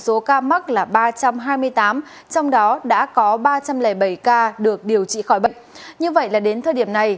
số ca mắc là ba trăm hai mươi tám trong đó đã có ba trăm linh bảy ca được điều trị khỏi bệnh như vậy là đến thời điểm này